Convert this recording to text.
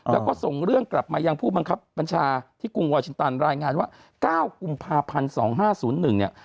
แล้วก็ส่งเรื่องกลับมายังผู้บัญชาที่กรุงวาชินตาลรายงานว่าเก้ากลุ่มภาพพันธุ์สองห้าศูนย์หนึ่งเนี่ย